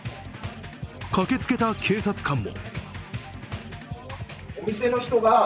駆けつけた警察官も。